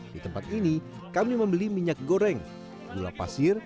di tempat ini kami membeli minyak goreng gula pasir